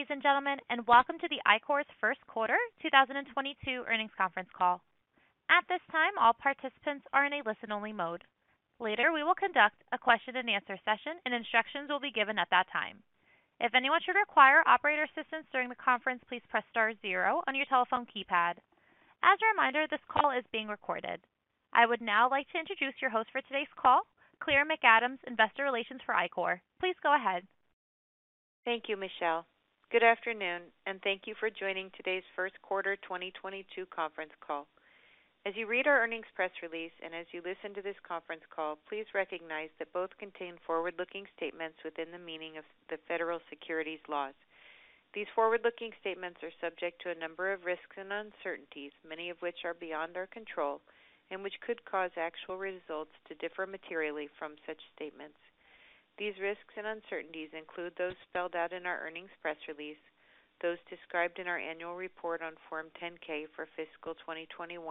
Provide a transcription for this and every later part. Ladies and gentlemen, welcome to the Ichor's first quarter 2022 earnings conference call. At this time, all participants are in a listen-only mode. Later, we will conduct a question and answer session, and instructions will be given at that time. If anyone should require operator assistance during the conference, please press star zero on your telephone keypad. As a reminder, this call is being recorded. I would now like to introduce your host for today's call, Claire McAdams, Investor Relations for Ichor. Please go ahead. Thank you, Michelle. Good afternoon, and thank you for joining today's first quarter 2022 conference call. As you read our earnings press release, and as you listen to this conference call, please recognize that both contain forward-looking statements within the meaning of the federal securities laws. These forward-looking statements are subject to a number of risks and uncertainties, many of which are beyond our control and which could cause actual results to differ materially from such statements. These risks and uncertainties include those spelled out in our earnings press release, those described in our annual report on Form 10-K for fiscal 2021,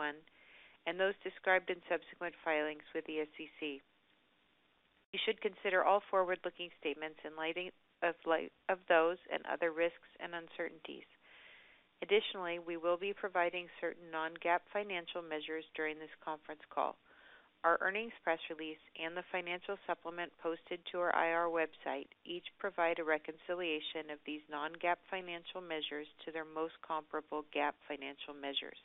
and those described in subsequent filings with the SEC. You should consider all forward-looking statements in light of those and other risks and uncertainties. Additionally, we will be providing certain non-GAAP financial measures during this conference call. Our earnings press release and the financial supplement posted to our IR website each provide a reconciliation of these non-GAAP financial measures to their most comparable GAAP financial measures.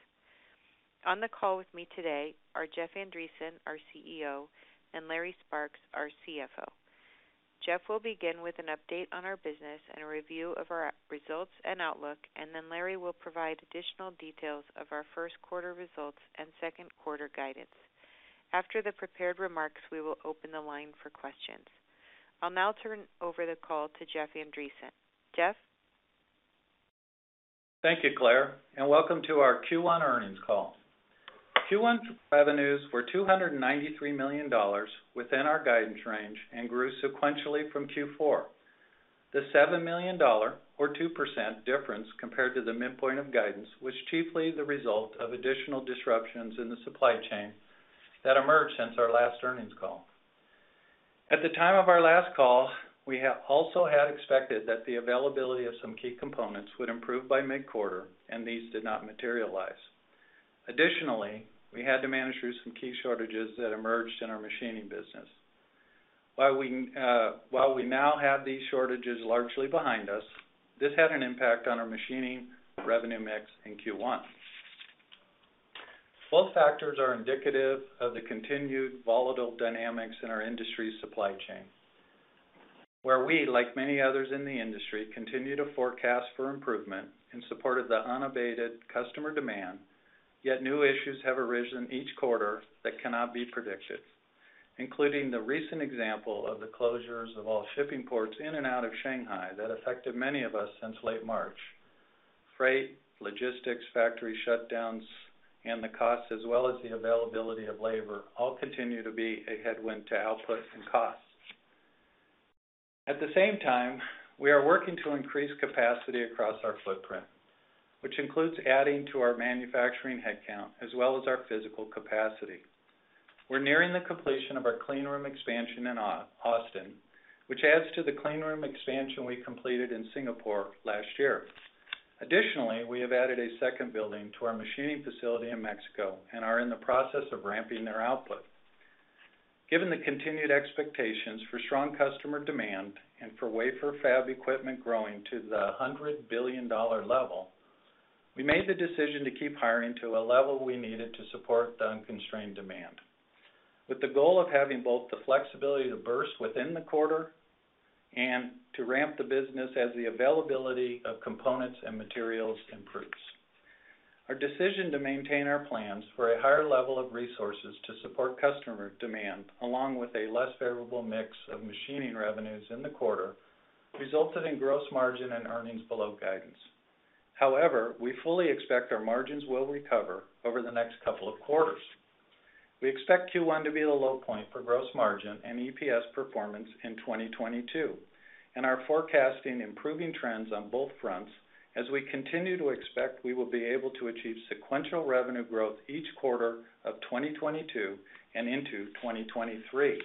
On the call with me today are Jeff Andreson, our CEO, and Larry Sparks, our CFO. Jeff will begin with an update on our business and a review of our results and outlook, and then Larry will provide additional details of our first quarter results and second quarter guidance. After the prepared remarks, we will open the line for questions. I'll now turn over the call to Jeff Andreson. Jeff? Thank you, Claire, and welcome to our Q1 earnings call. Q1 revenues were $293 million within our guidance range and grew sequentially from Q4. The $7 million or 2% difference compared to the midpoint of guidance was chiefly the result of additional disruptions in the supply chain that emerged since our last earnings call. At the time of our last call, we also had expected that the availability of some key components would improve by mid-quarter, and these did not materialize. Additionally, we had to manage through some key shortages that emerged in our machining business. While we now have these shortages largely behind us, this had an impact on our machining revenue mix in Q1. Both factors are indicative of the continued volatile dynamics in our industry's supply chain, where we, like many others in the industry, continue to forecast for improvement in support of the unabated customer demand, yet new issues have arisen each quarter that cannot be predicted, including the recent example of the closures of all shipping ports in and out of Shanghai that affected many of us since late March. Freight, logistics, factory shutdowns, and the costs, as well as the availability of labor, all continue to be a headwind to output and cost. At the same time, we are working to increase capacity across our footprint, which includes adding to our manufacturing headcount as well as our physical capacity. We're nearing the completion of our cleanroom expansion in our Austin, which adds to the cleanroom expansion we completed in Singapore last year. Additionally, we have added a second building to our machining facility in Mexico and are in the process of ramping their output. Given the continued expectations for strong customer demand and for wafer fab equipment growing to the $100 billion level, we made the decision to keep hiring to a level we needed to support the unconstrained demand, with the goal of having both the flexibility to burst within the quarter and to ramp the business as the availability of components and materials improves. Our decision to maintain our plans for a higher level of resources to support customer demand, along with a less favorable mix of machining revenues in the quarter, resulted in gross margin and earnings below guidance. However, we fully expect our margins will recover over the next couple of quarters. We expect Q1 to be the low point for gross margin and EPS performance in 2022 and are forecasting improving trends on both fronts as we continue to expect we will be able to achieve sequential revenue growth each quarter of 2022 and into 2023.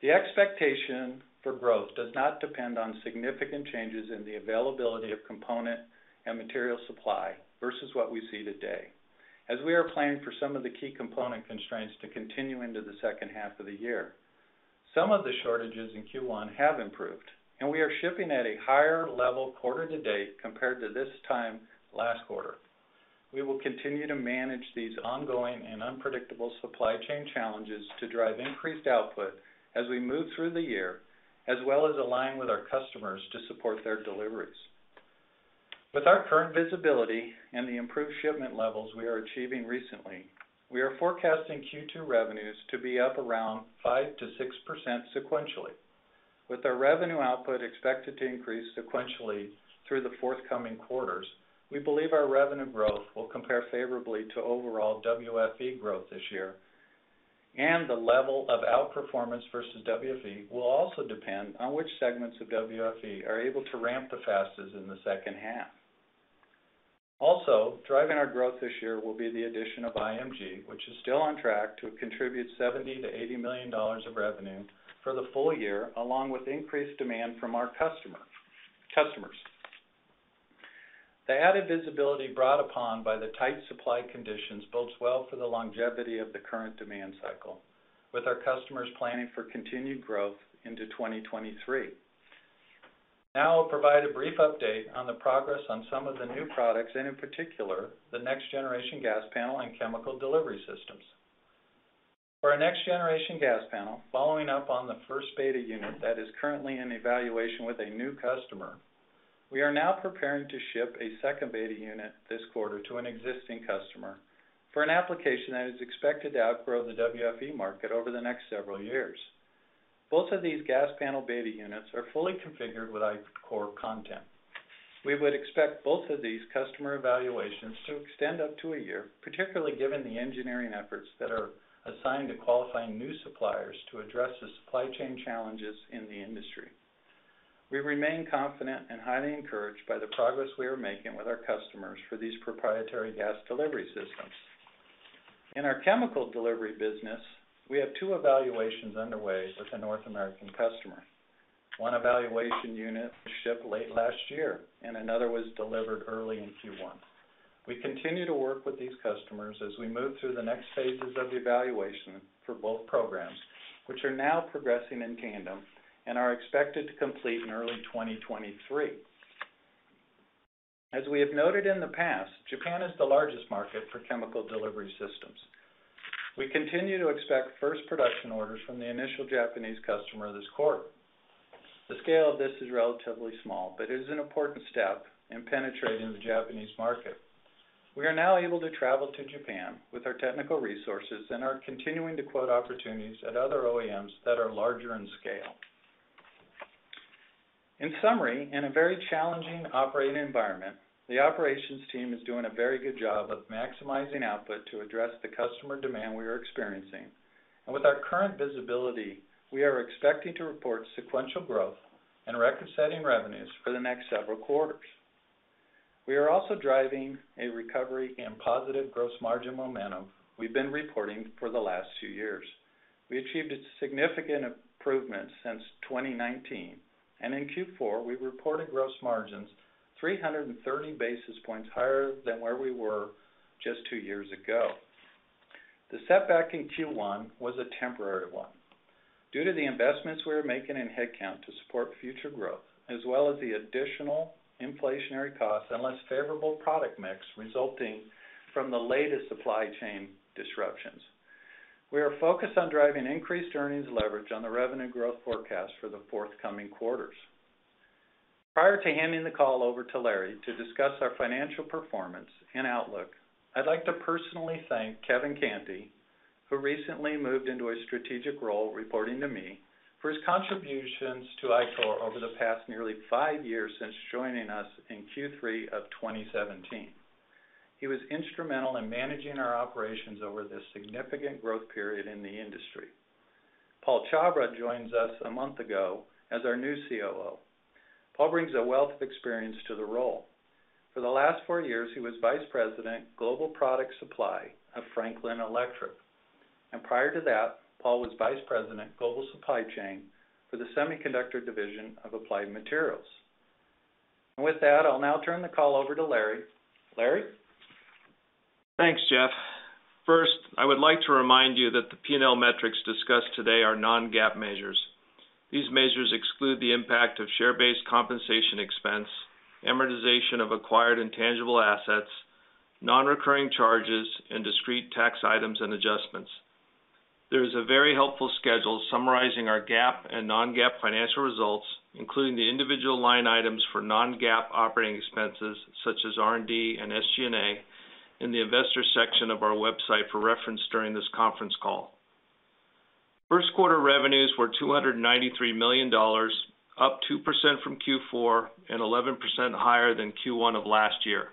The expectation for growth does not depend on significant changes in the availability of component and material supply versus what we see today, as we are planning for some of the key component constraints to continue into the second half of the year. Some of the shortages in Q1 have improved, and we are shipping at a higher level quarter to date compared to this time last quarter. We will continue to manage these ongoing and unpredictable supply chain challenges to drive increased output as we move through the year, as well as align with our customers to support their deliveries. With our current visibility and the improved shipment levels we are achieving recently, we are forecasting Q2 revenues to be up around 5%-6% sequentially. With our revenue output expected to increase sequentially through the forthcoming quarters, we believe our revenue growth will compare favorably to overall WFE growth this year, and the level of outperformance versus WFE will also depend on which segments of WFE are able to ramp the fastest in the second half. Also, driving our growth this year will be the addition of IMG, which is still on track to contribute $70 million-$80 million of revenue for the full year, along with increased demand from our customers. The added visibility brought upon by the tight supply conditions bodes well for the longevity of the current demand cycle, with our customers planning for continued growth into 2023. I'll provide a brief update on the progress on some of the new products, and in particular, the next-generation gas panel and chemical delivery systems. For our next-generation gas panel, following up on the first beta unit that is currently in evaluation with a new customer, we are now preparing to ship a second beta unit this quarter to an existing customer for an application that is expected to outgrow the WFE market over the next several years. Both of these gas panel beta units are fully configured with core content. We would expect both of these customer evaluations to extend up to a year, particularly given the engineering efforts that are assigned to qualifying new suppliers to address the supply chain challenges in the industry. We remain confident and highly encouraged by the progress we are making with our customers for these proprietary gas delivery systems. In our chemical delivery business, we have two evaluations underway with a North American customer. One evaluation unit shipped late last year, and another was delivered early in Q1. We continue to work with these customers as we move through the next phases of the evaluation for both programs, which are now progressing in tandem and are expected to complete in early 2023. As we have noted in the past, Japan is the largest market for chemical delivery systems. We continue to expect first production orders from the initial Japanese customer this quarter. The scale of this is relatively small, but is an important step in penetrating the Japanese market. We are now able to travel to Japan with our technical resources and are continuing to quote opportunities at other OEMs that are larger in scale. In summary, in a very challenging operating environment, the operations team is doing a very good job of maximizing output to address the customer demand we are experiencing. With our current visibility, we are expecting to report sequential growth and record-setting revenues for the next several quarters. We are also driving a recovery and positive gross margin momentum we've been reporting for the last two years. We achieved a significant improvement since 2019, and in Q4, we reported gross margins 330 basis points higher than where we were just two years ago. The setback in Q1 was a temporary one. Due to the investments we are making in headcount to support future growth, as well as the additional inflationary costs and less favorable product mix resulting from the latest supply chain disruptions, we are focused on driving increased earnings leverage on the revenue growth forecast for the forthcoming quarters. Prior to handing the call over to Larry to discuss our financial performance and outlook, I'd like to personally thank Kevin Canty, who recently moved into a strategic role reporting to me, for his contributions to Ichor over the past nearly five years since joining us in Q3 of 2017. He was instrumental in managing our operations over this significant growth period in the industry. Paul Chhabra joins us a month ago as our new COO. Paul brings a wealth of experience to the role. For the last four years, he was Vice President Global Product Supply of Franklin Electric. Prior to that, Paul was Vice President Global Supply Chain for the semiconductor division of Applied Materials. With that, I'll now turn the call over to Larry. Larry? Thanks, Jeff. First, I would like to remind you that the P&L metrics discussed today are non-GAAP measures. These measures exclude the impact of share-based compensation expense, amortization of acquired intangible assets, non-recurring charges, and discrete tax items and adjustments. There is a very helpful schedule summarizing our GAAP and non-GAAP financial results, including the individual line items for non-GAAP operating expenses such as R&D and SG&A in the investors section of our website for reference during this conference call. First quarter revenues were $293 million, up 2% from Q4 and 11% higher than Q1 of last year.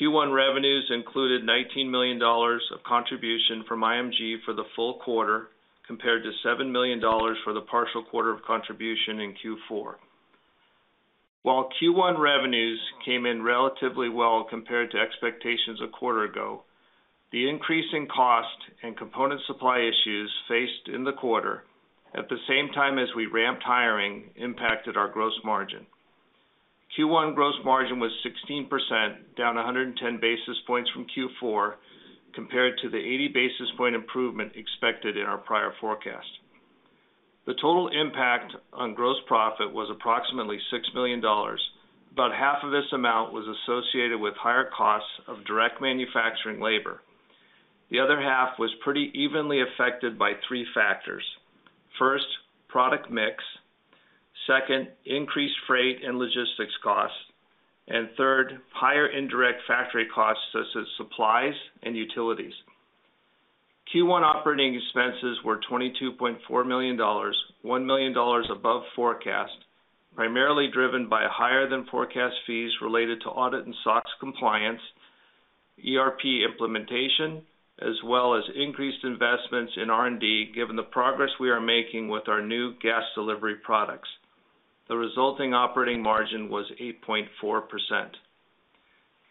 Q1 revenues included $19 million of contribution from IMG for the full quarter, compared to $7 million for the partial quarter of contribution in Q4. While Q1 revenues came in relatively well compared to expectations a quarter ago, the increase in cost and component supply issues faced in the quarter, at the same time as we ramped hiring, impacted our gross margin. Q1 gross margin was 16%, down 110 basis points from Q4, compared to the 80 basis point improvement expected in our prior forecast. The total impact on gross profit was approximately $6 million. About half of this amount was associated with higher costs of direct manufacturing labor. The other half was pretty evenly affected by three factors. First, product mix. Second, increased freight and logistics costs. Third, higher indirect factory costs, such as supplies and utilities. Q1 operating expenses were $22.4 million, $1 million above forecast, primarily driven by higher than forecast fees related to audit and SOX-compliance ERP implementation, as well as increased investments in R&D, given the progress we are making with our new gas delivery products. The resulting operating margin was 8.4%.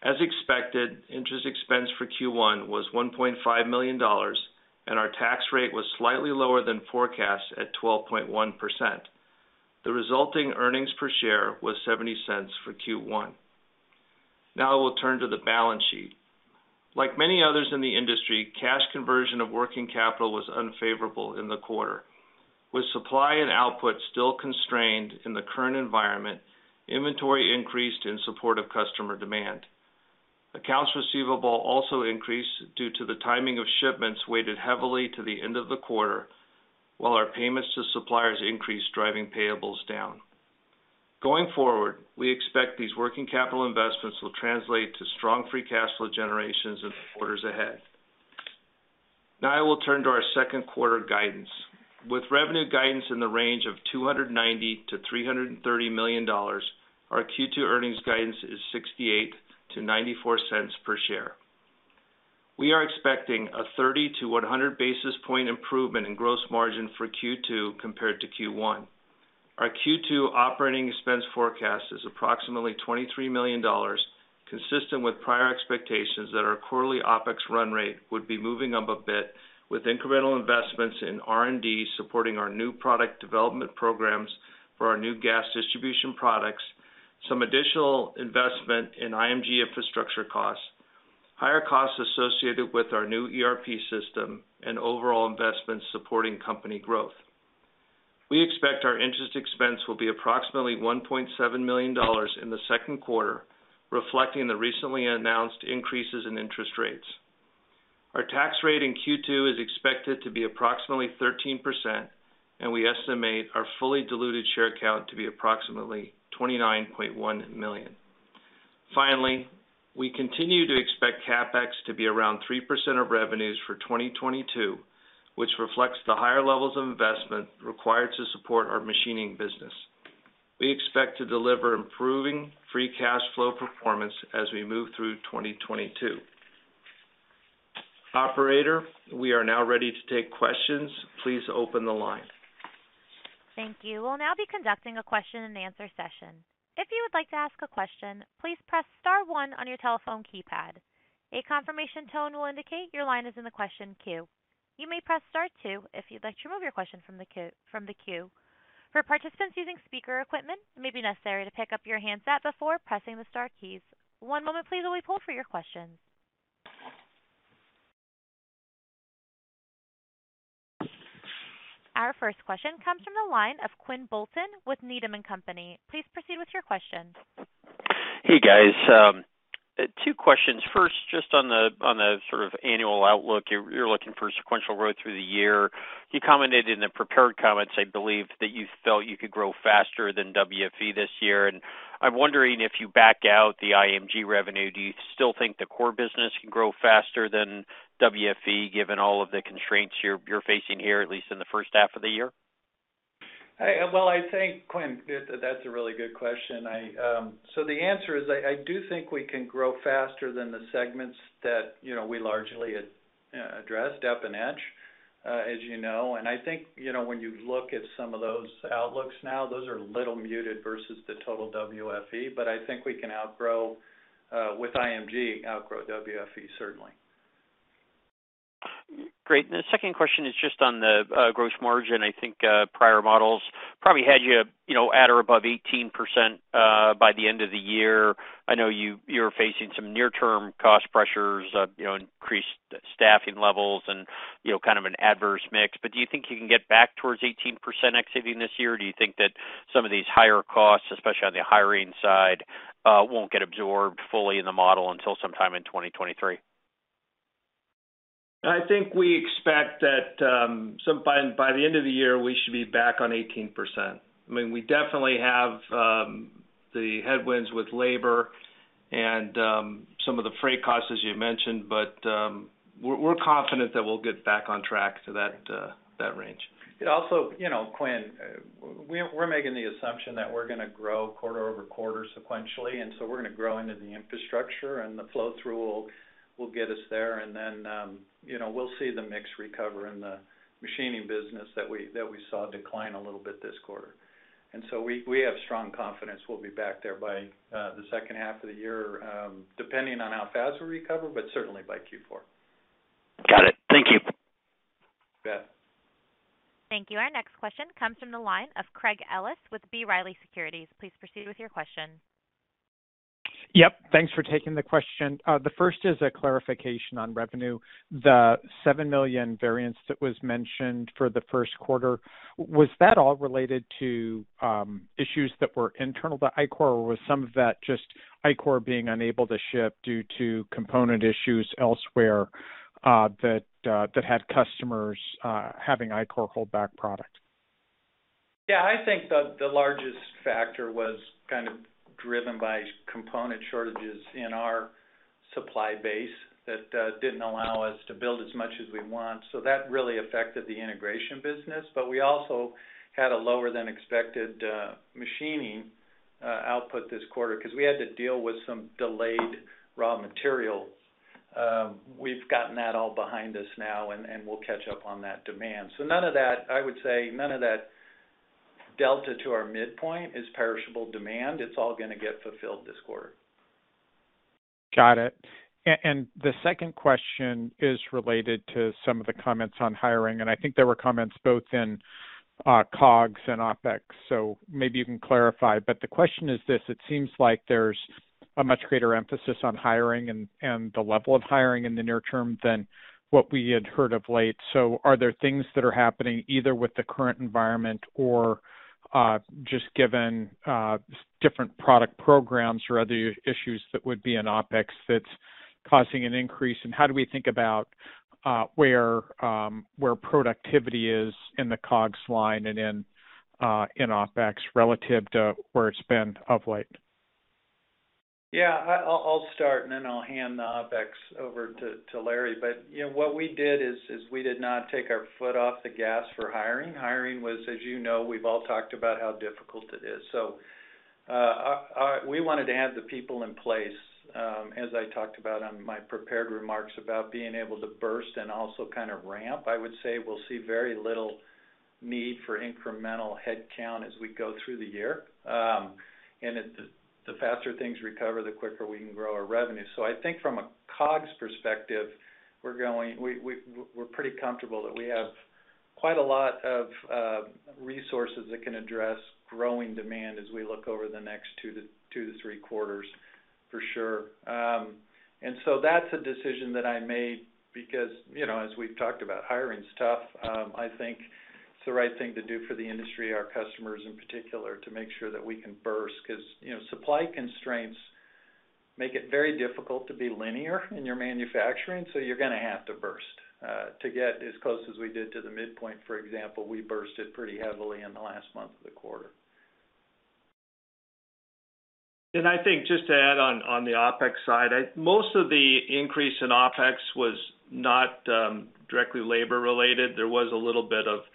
As expected, interest expense for Q1 was $1.5 million, and our tax rate was slightly lower than forecast at 12.1%. The resulting earnings per share was $0.70 for Q1. Now we'll turn to the balance sheet. Like many others in the industry, cash conversion of working capital was unfavorable in the quarter. With supply and output still constrained in the current environment, inventory increased in support of customer demand. Accounts receivable also increased due to the timing of shipments weighted heavily to the end of the quarter, while our payments to suppliers increased, driving payables down. Going forward, we expect these working capital investments will translate to strong free cash flow generations in the quarters ahead. Now I will turn to our second quarter guidance. With revenue guidance in the range of $290 million-$330 million, our Q2 earnings guidance is $0.68-$0.94 per share. We are expecting a 30-100 basis point improvement in gross margin for Q2 compared to Q1. Our Q2 operating expense forecast is approximately $23 million, consistent with prior expectations that our quarterly OpEx run rate would be moving up a bit with incremental investments in R&D supporting our new product development programs for our new gas distribution products, some additional investment in IMG infrastructure costs, higher costs associated with our new ERP system, and overall investments supporting company growth. We expect our interest expense will be approximately $1.7 million in the second quarter, reflecting the recently announced increases in interest rates. Our tax rate in Q2 is expected to be approximately 13%, and we estimate our fully diluted share count to be approximately 29.1 million. Finally, we continue to expect CapEx to be around 3% of revenues for 2022, which reflects the higher levels of investment required to support our machining business. We expect to deliver improving free cash flow performance as we move through 2022. Operator, we are now ready to take questions. Please open the line. Thank you. We'll now be conducting a question-and-answer session. If you would like to ask a question, please press star one on your telephone keypad. A confirmation tone will indicate your line is in the question queue. You may press star two if you'd like to remove your question from the queue. For participants using speaker equipment, it may be necessary to pick up your handset before pressing the star keys. One moment please, while we poll for your questions. Our first question comes from the line of Quinn Bolton with Needham & Company. Please proceed with your question. Hey, guys. Two questions. First, just on the sort of annual outlook. You're looking for sequential growth through the year. You commented in the prepared comments, I believe, that you felt you could grow faster than WFE this year. I'm wondering if you back out the IMG revenue, do you still think the core business can grow faster than WFE, given all of the constraints you're facing here, at least in the first half of the year? Well, I think, Quinn, that's a really good question. The answer is, I do think we can grow faster than the segments that, you know, we largely address, dep and etch, as you know. I think, you know, when you look at some of those outlooks now, those are a little muted versus the total WFE, but I think we can outgrow with IMG, outgrow WFE, certainly. Great. The second question is just on the gross margin. I think prior models probably had you know, at or above 18% by the end of the year. I know you're facing some near-term cost pressures of, you know, increased staffing levels and, you know, kind of an adverse mix. But do you think you can get back towards 18% exiting this year? Do you think that some of these higher costs, especially on the hiring side, won't get absorbed fully in the model until sometime in 2023? I think we expect that by the end of the year, we should be back on 18%. I mean, we definitely have the headwinds with labor and some of the freight costs, as you mentioned. We're confident that we'll get back on track to that range. You know, Quinn, we're making the assumption that we're gonna grow quarter-over-quarter sequentially, and so we're gonna grow into the infrastructure and the flow-through will get us there. You know, we'll see the mix recover in the machining business that we saw decline a little bit this quarter. We have strong confidence we'll be back there by the second half of the year, depending on how fast we recover, but certainly by Q4. Got it. Thank you. You bet. Thank you. Our next question comes from the line of Craig Ellis with B. Riley Securities. Please proceed with your question. Yep. Thanks for taking the question. The first is a clarification on revenue. The $7 million variance that was mentioned for the first quarter, was that all related to issues that were internal to Ichor, or was some of that just Ichor being unable to ship due to component issues elsewhere, that had customers having Ichor hold back product? Yeah, I think the largest factor was kind of driven by component shortages in our supply base that didn't allow us to build as much as we want. That really affected the integration business. We also had a lower than expected machining Output this quarter because we had to deal with some delayed raw material. We've gotten that all behind us now, and we'll catch up on that demand. I would say, none of that delta to our midpoint is perishable demand. It's all gonna get fulfilled this quarter. Got it. The second question is related to some of the comments on hiring, and I think there were comments both in COGS and OpEx, so maybe you can clarify. The question is this, it seems like there's a much greater emphasis on hiring and the level of hiring in the near term than what we had heard of late. Are there things that are happening either with the current environment or just given different product programs or other issues that would be in OpEx that's causing an increase? How do we think about where productivity is in the COGS line and in OpEx relative to where it's been of late? Yeah. I'll start and then I'll hand the OpEx over to Larry. You know, what we did is we did not take our foot off the gas for hiring. Hiring was, as you know, we've all talked about how difficult it is. Our we wanted to have the people in place, as I talked about on my prepared remarks about being able to burst and also kind of ramp. I would say we'll see very little need for incremental headcount as we go through the year. The faster things recover, the quicker we can grow our revenue. I think from a COGS perspective, we're pretty comfortable that we have quite a lot of resources that can address growing demand as we look over the next two to three quarters, for sure. That's a decision that I made because, you know, as we've talked about, hiring's tough. I think it's the right thing to do for the industry, our customers in particular, to make sure that we can burst 'cause, you know, supply constraints make it very difficult to be linear in your manufacturing, so you're gonna have to burst. To get as close as we did to the midpoint, for example, we bursted pretty heavily in the last month of the quarter. I think just to add on the OpEx side, most of the increase in OpEx was not directly labor related. There was a little bit of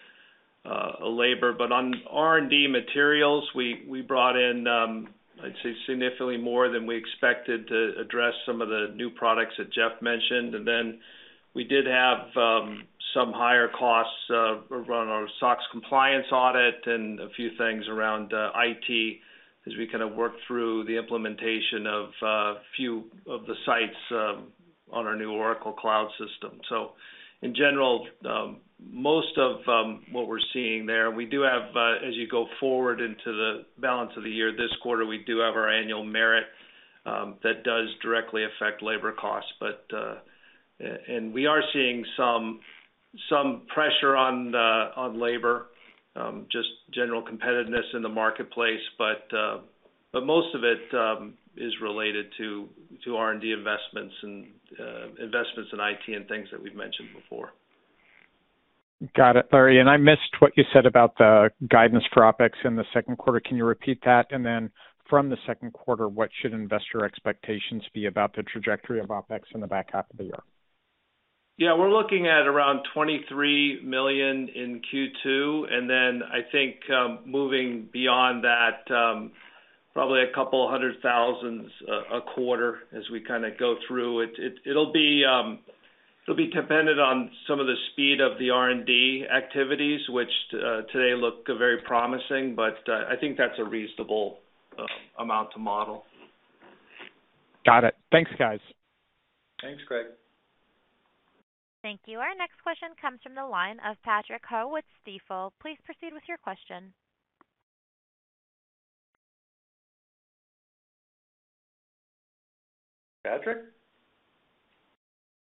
labor. On R&D materials, we brought in, I'd say significantly more than we expected to address some of the new products that Jeff mentioned. We did have some higher costs around our SOX-compliance audit and a few things around IT as we kind of work through the implementation of a few of the sites on our new Oracle Cloud system. In general, most of what we're seeing there, we do have as you go forward into the balance of the year, this quarter, we do have our annual merit that does directly affect labor costs. We are seeing some pressure on labor, just general competitiveness in the marketplace. Most of it is related to R&D investments and investments in IT and things that we've mentioned before. Got it, Larry. I missed what you said about the guidance for OpEx in the second quarter. Can you repeat that? From the second quarter, what should investor expectations be about the trajectory of OpEx in the back half of the year? Yeah. We're looking at around $23 million in Q2. I think, moving beyond that, probably $200,000 a quarter as we kinda go through it. It'll be dependent on some of the speed of the R&D activities, which today look very promising, but I think that's a reasonable amount to model. Got it. Thanks, guys. Thanks, Craig. Thank you. Our next question comes from the line of Patrick Ho with Stifel. Please proceed with your question. Patrick?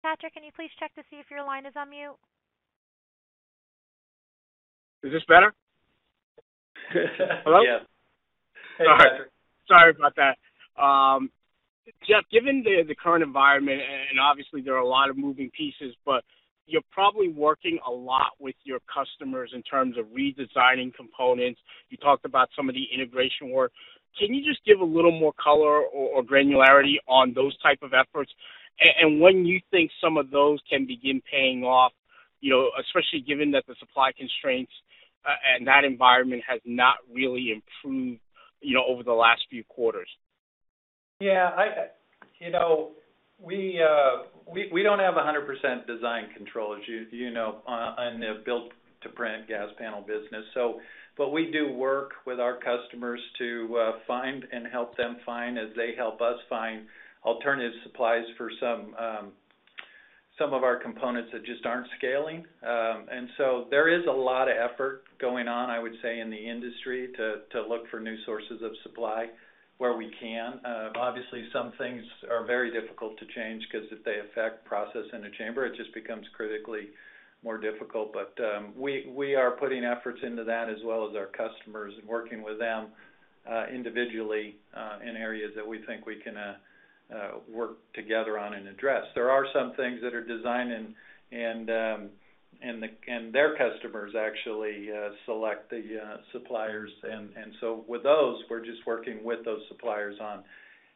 Patrick, can you please check to see if your line is on mute? Is this better? Yes. Hello? Hey, Patrick. Sorry. Sorry about that. Jeff, given the current environment, and obviously there are a lot of moving pieces, but you're probably working a lot with your customers in terms of redesigning components. You talked about some of the integration work. Can you just give a little more color or granularity on those type of efforts? And when you think some of those can begin paying off, you know, especially given that the supply constraints and that environment has not really improved, you know, over the last few quarters. Yeah. You know, we don't have 100% design control as you know on a built to print gas panel business. We do work with our customers to find and help them find as they help us find alternative supplies for some of our components that just aren't scaling. There is a lot of effort going on, I would say, in the industry to look for new sources of supply where we can. Obviously, some things are very difficult to change 'cause if they affect process in a chamber, it just becomes critically more difficult. We are putting efforts into that as well as our customers and working with them individually in areas that we think we can work together on and address. There are some things that are designed and their customers actually select the suppliers. With those, we're just working with those suppliers on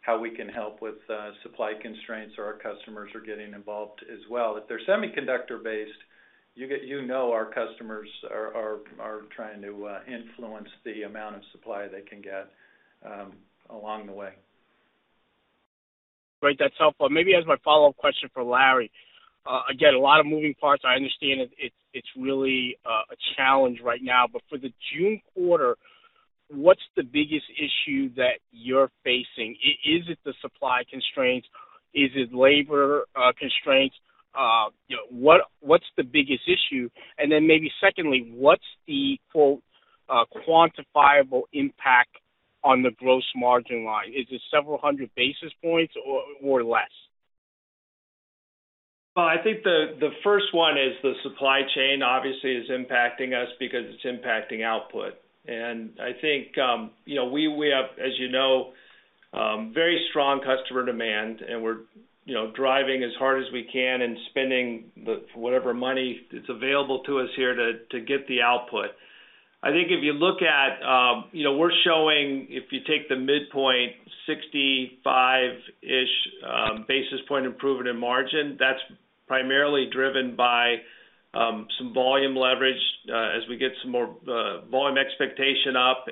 how we can help with supply constraints or our customers are getting involved as well. If they're semiconductor based, you know, our customers are trying to influence the amount of supply they can get along the way. Great. That's helpful. Maybe as my follow-up question for Larry, again, a lot of moving parts. I understand it's really a challenge right now. For the June quarter, what's the biggest issue that you're facing? Is it the supply constraints? Is it labor constraints? You know, what's the biggest issue? And then maybe secondly, what's the, quote, "quantifiable impact" on the gross margin line? Is it several hundred basis points or less? Well, I think the first one is the supply chain obviously is impacting us because it's impacting output. I think, you know, we have, as you know, very strong customer demand, and we're, you know, driving as hard as we can and spending whatever money that's available to us here to get the output. I think if you look at, you know, we're showing, if you take the midpoint 65-ish basis point improvement in margin, that's primarily driven by some volume leverage, as we get some more volume expectation up.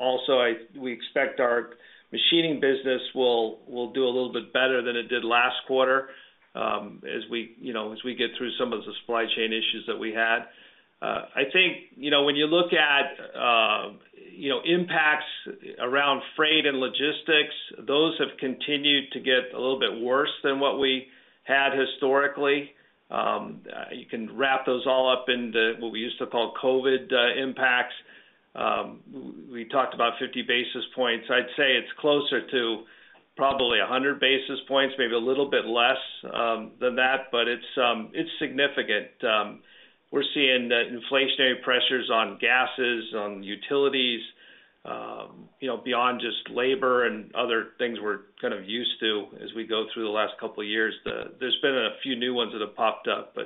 Also we expect our machining business will do a little bit better than it did last quarter, as we, you know, as we get through some of the supply chain issues that we had. I think, you know, when you look at, you know, impacts around freight and logistics, those have continued to get a little bit worse than what we had historically. You can wrap those all up into what we used to call COVID impacts. We talked about 50 basis points. I'd say it's closer to probably 100 basis points, maybe a little bit less than that, but it's significant. We're seeing the inflationary pressures on gases, on utilities, you know, beyond just labor and other things we're kind of used to as we go through the last couple of years. There's been a few new ones that have popped up.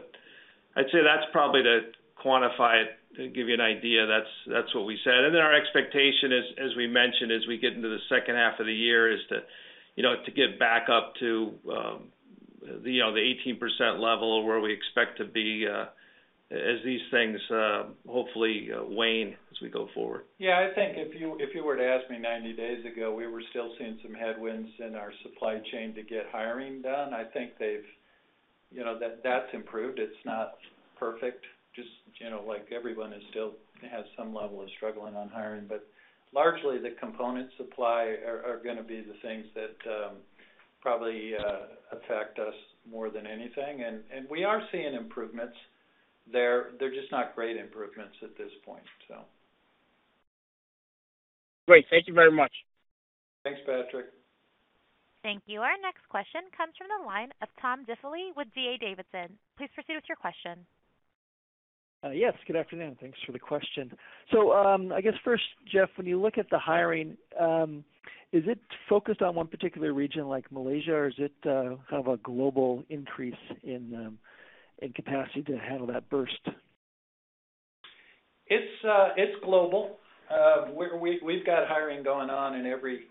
I'd say that's probably to quantify it, to give you an idea. That's what we said. Our expectation, as we mentioned, as we get into the second half of the year, is to, you know, get back up to, you know, the 18% level where we expect to be, hopefully wane as we go forward. Yeah. I think if you were to ask me 90 days ago, we were still seeing some headwinds in our supply chain to get hiring done. I think they've, you know, that's improved. It's not perfect. Just, you know, like everyone is still has some level of struggling on hiring. Largely the component supply are gonna be the things that probably affect us more than anything. We are seeing improvements. They're just not great improvements at this point. Great. Thank you very much. Thanks, Patrick. Thank you. Our next question comes from the line of Tom Diffely with D.A. Davidson. Please proceed with your question. Yes, good afternoon. Thanks for the question. I guess first, Jeff, when you look at the hiring, is it focused on one particular region like Malaysia, or is it kind of a global increase in capacity to handle that burst? It's global. We've got hiring going on in every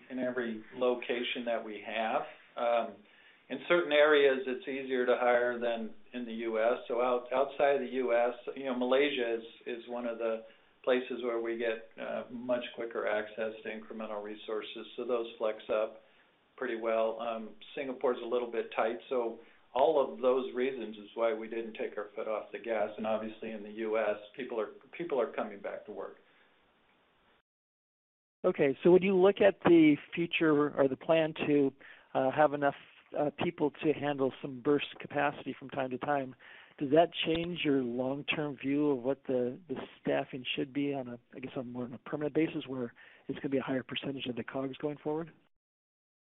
location that we have. In certain areas it's easier to hire than in the U.S. Outside of the U.S., you know, Malaysia is one of the places where we get much quicker access to incremental resources. So those flex up pretty well. Singapore is a little bit tight, so all of those reasons is why we didn't take our foot off the gas. Obviously in the U.S., people are coming back to work. Okay. When you look at the future or the plan to have enough people to handle some burst capacity from time to time, does that change your long-term view of what the staffing should be on a, I guess, on more on a permanent basis where it's gonna be a higher percentage of the COGS going forward?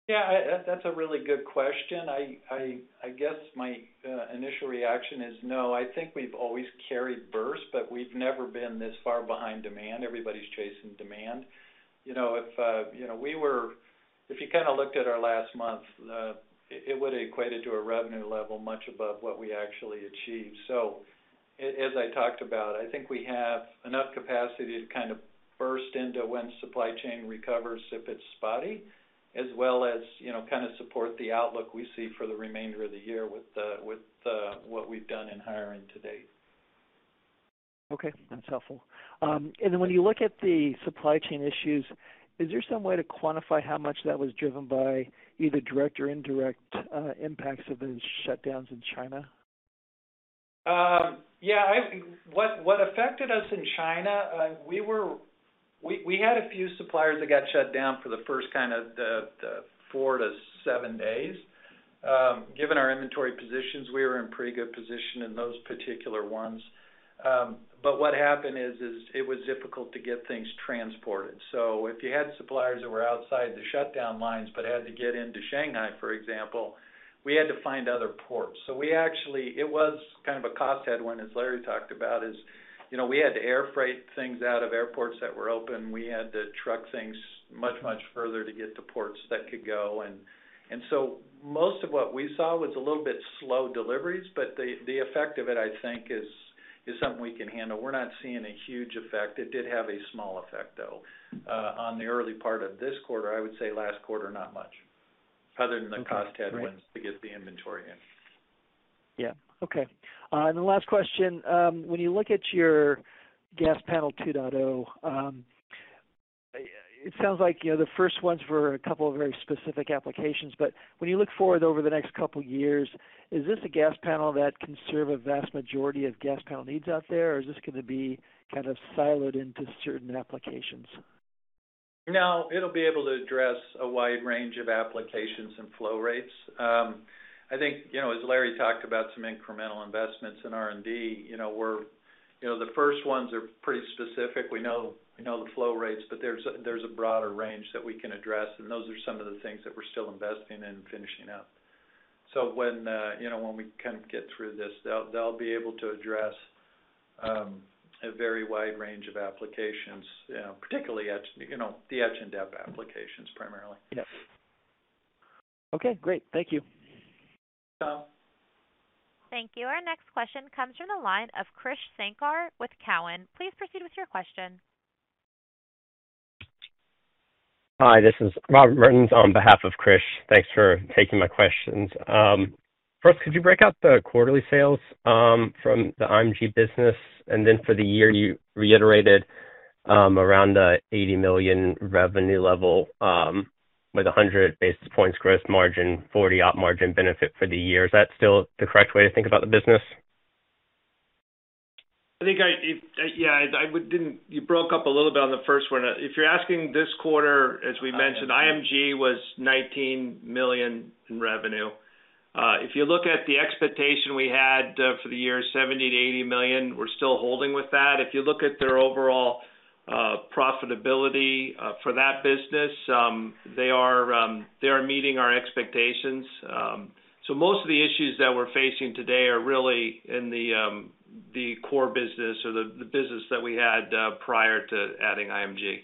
Yeah. That's a really good question. I guess my initial reaction is no. I think we've always carried burst, but we've never been this far behind demand. Everybody's chasing demand. You know, if you kinda looked at our last month, it would have equated to a revenue level much above what we actually achieved. As I talked about, I think we have enough capacity to kind of burst into when supply chain recovers if it's spotty, as well as, you know, kind of support the outlook we see for the remainder of the year with what we've done in hiring to date. Okay. That's helpful. When you look at the supply chain issues, is there some way to quantify how much that was driven by either direct or indirect impacts of the shutdowns in China? What affected us in China, we had a few suppliers that got shut down for the first kind of the four to seven days. Given our inventory positions, we were in pretty good position in those particular ones. But what happened is it was difficult to get things transported. If you had suppliers that were outside the shutdown lines but had to get into Shanghai, for example, we had to find other ports. It was kind of a cost headwind, as Larry talked about, you know, we had to air freight things out of airports that were open. We had to truck things much further to get to ports that could go. Most of what we saw was a little bit slow deliveries, but the effect of it, I think is something we can handle. We're not seeing a huge effect. It did have a small effect, though, on the early part of this quarter. I would say last quarter, not much. Other than the cost headwind to get the inventory in. Yeah. Okay. The last question. When you look at your gas panel 2.0, it sounds like, you know, the first ones were a couple of very specific applications, but when you look forward over the next couple years, is this a gas panel that can serve a vast majority of gas panel needs out there, or is this gonna be kind of siloed into certain applications? No, it'll be able to address a wide range of applications and flow rates. I think, you know, as Larry talked about some incremental investments in R&D, you know, we're, you know, the first ones are pretty specific. We know the flow rates, but there's a broader range that we can address, and those are some of the things that we're still investing in and finishing up. When we kind of get through this, they'll be able to address a very wide range of applications, you know, particularly etch, you know, the etch and dep applications primarily. Yes. Okay, great. Thank you. Yeah. Thank you. Our next question comes from the line of Krish Sankar with Cowen. Please proceed with your question. Hi, this is Robert Mertens on behalf of Krish. Thanks for taking my questions. First, could you break out the quarterly sales from the IMG business? For the year you reiterated around the $80 million revenue level with 100 basis points gross margin, 40% operating margin benefit for the year. Is that still the correct way to think about the business? Yeah, you broke up a little bit on the first one. If you're asking this quarter, as we mentioned, IMG was $19 million in revenue. If you look at the expectation we had for the year, $70 million-$80 million, we're still holding with that. If you look at their overall profitability for that business, they are meeting our expectations. Most of the issues that we're facing today are really in the core business or the business that we had prior to adding IMG.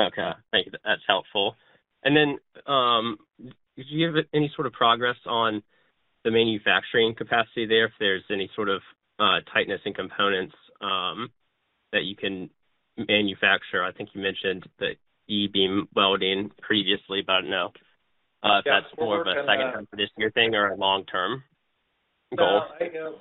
Okay, thank you. That's helpful. Then, do you have any sort of progress on the manufacturing capacity there, if there's any sort of tightness in components that you can manufacture? I think you mentioned the e-beam welding previously, but I don't know if that's more of a second transition thing or a long-term goal.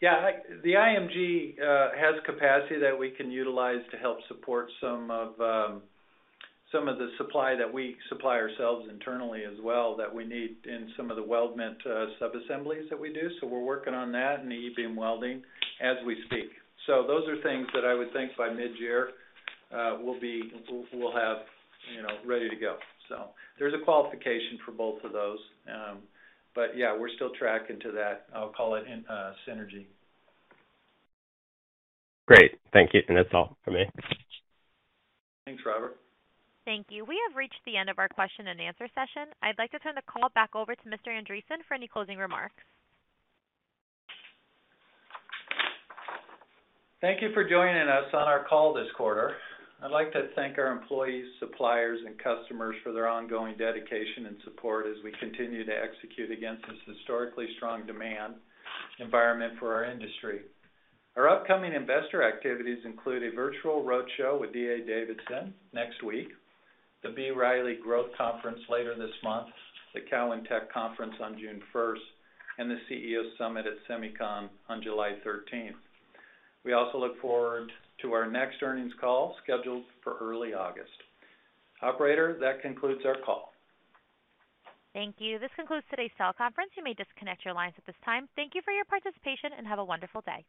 Yeah, the IMG has capacity that we can utilize to help support some of the supply that we supply ourselves internally as well that we need in some of the weldment sub-assemblies that we do. We're working on that and the e-beam welding as we speak. Those are things that I would think by mid-year we'll have, you know, ready to go. There's a qualification for both of those. But yeah, we're still tracking to that. I'll call it synergy. Great. Thank you. That's all for me. Thanks, Robert. Thank you. We have reached the end of our question-and-answer session. I'd like to turn the call back over to Mr. Andreson for any closing remarks. Thank you for joining us on our call this quarter. I'd like to thank our employees, suppliers, and customers for their ongoing dedication and support as we continue to execute against this historically strong demand environment for our industry. Our upcoming investor activities include a virtual roadshow with D.A. Davidson next week, the B. Riley Growth Conference later this month, the Cowen Tech Conference on June 1st, and the CEO Summit at SEMICON on July 13th. We also look forward to our next earnings call scheduled for early August. Operator, that concludes our call. Thank you. This concludes today's conference call. You may disconnect your lines at this time. Thank you for your participation, and have a wonderful day.